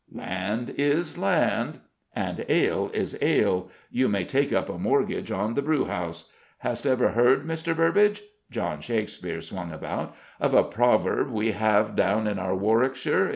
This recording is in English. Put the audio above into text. "Land is land." "And ale is ale: you may take up a mortgage on the brewhouse. Hast ever heard, Mr. Burbage" John Shakespeare swung about "of a proverb we have down in our Warwickshire?